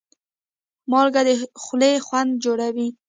مالګه د خولې خوند جوړوي.